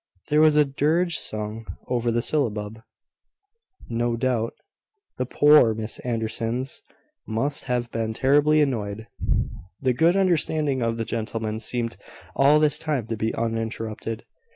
There was a dirge sung over the syllabub, no doubt. The poor Miss Andersons must have been terribly annoyed. The good understanding of the gentlemen seemed all this time to be uninterrupted.